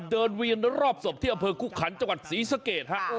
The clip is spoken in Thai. การเดินเวียนรอบศพที่อำเภอคู่ขันจังหวัดศรีสเกษฐฮะ